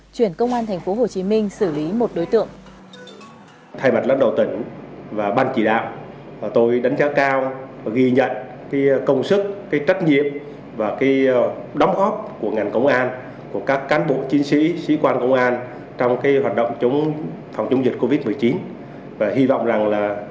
chuyển công an tp hcm xử lý một đối tượng